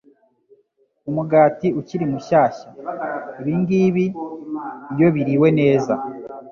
umugati ukiri mushyashya. Ibingibi, iyo biriwe neza,